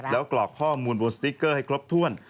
แล้วกรอกข้อมูลบนสติ๊กเกอร์ให้ครบถ้วน